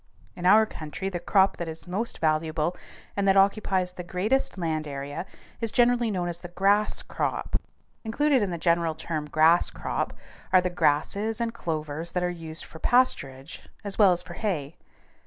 In our country the crop that is most valuable and that occupies the greatest land area is generally known as the grass crop. Included in the general term "grass crop" are the grasses and clovers that are used for pasturage as well as for hay.